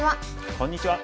こんにちは。